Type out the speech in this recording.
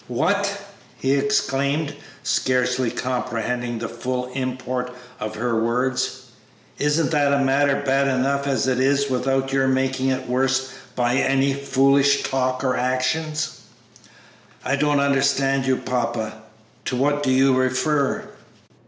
"What!" he exclaimed, scarcely comprehending the full import of her words; "isn't the matter bad enough as it is without your making it worse by any foolish talk or actions?" "I don't understand you, papa; to what do you refer?"